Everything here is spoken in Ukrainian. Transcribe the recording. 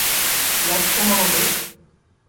Я ще молодий.